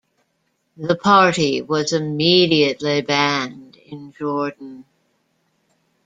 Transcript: The party was immediately banned in Jordan.